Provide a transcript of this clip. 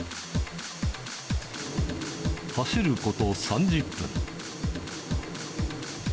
走ること３０分。